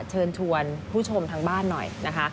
เชิญชวนผู้ชมทางบ้านหน่อยนะคะ